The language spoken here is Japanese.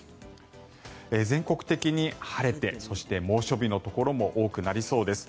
全国的に晴れてそして猛暑日のところも多くなりそうです。